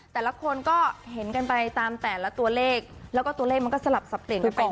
แต่ละคนก็เห็นกันไปตามแต่ละตัวเลขแล้วก็ตัวเลขมันก็สลับสับเปลี่ยนกันไป